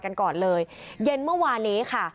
กันก่อนเลยเย็นเมื่อวานนี้ค่ะ